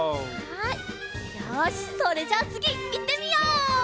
はいよしそれじゃあつぎいってみよう！